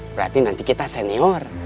berarti nanti kita senior